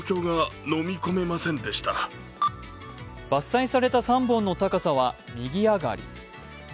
伐採された３本の高さは右上がり。